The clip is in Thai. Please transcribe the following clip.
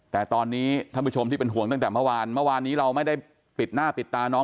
แต่ตอนนี้ท่านผู้ชมที่เป็นห่วงตั้งแต่เมื่อวานเมื่อวานนี้เราไม่ได้ปิดหน้าปิดตาน้อง